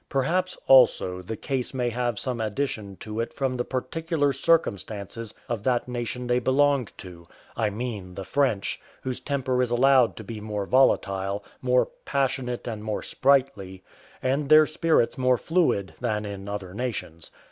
Perhaps also, the case may have some addition to it from the particular circumstance of that nation they belonged to: I mean the French, whose temper is allowed to be more volatile, more passionate, and more sprightly, and their spirits more fluid than in other nations.